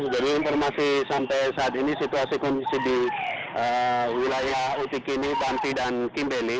jadi informasi sampai saat ini situasi kondisi di wilayah utikini banti dan kim